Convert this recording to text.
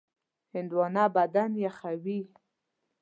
هندوانه بدن یخوي.